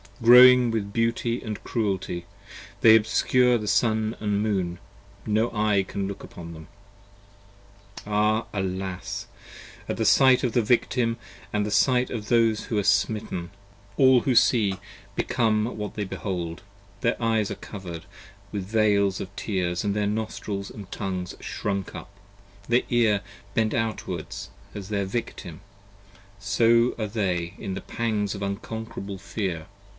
Glowing with beauty & cruelty, They obscure the sun & the moon: no eye can look upon them. 35 Ah! alas! at the sight of the Victim, & at sight of those who are smitten, All who see, become what they behold: their eyes are cover'd With veils of tears and their nostrils & tongues shrunk up, Their ear bent outwards, as their Victim, so are they in the pangs Of unconquerable fear!